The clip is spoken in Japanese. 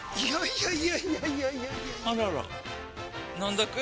いやいやいやいやあらら飲んどく？